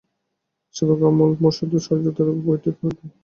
সাবেক আমল হলে বরসুদ্ধ বরসজ্জা বৈতরণী পার করতে দেরি হত না।